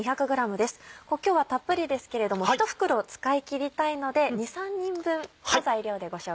今日はたっぷりですけれども１袋使い切りたいので２３人分の材料でご紹介していきます。